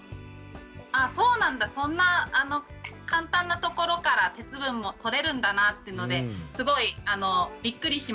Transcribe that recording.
あそうなんだそんな簡単なところから鉄分もとれるんだなっていうのですごいびっくりしました。